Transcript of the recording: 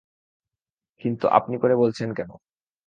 কিন্তু আপনি করে বলছেন কেন?